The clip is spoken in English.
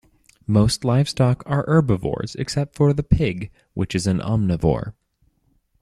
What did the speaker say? Most livestock are herbivores, except for the pig which is an omnivore.